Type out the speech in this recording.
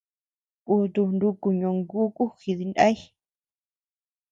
Kutu nuku ñonguku jidinday.